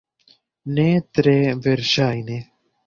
Ne tre verŝajne.